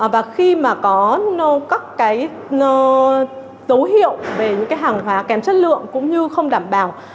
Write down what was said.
và khi mà có các cái dấu hiệu về những cái hàng hóa kém chất lượng cũng như không đảm bảo